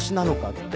って？